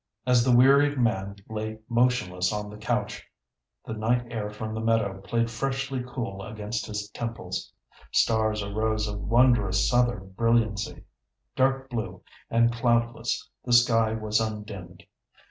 As the wearied man lay motionless on the couch, the night air from the meadow played freshly cool against his temples. Stars arose of wondrous southern brilliancy. Dark blue and cloudless, the sky was undimmed.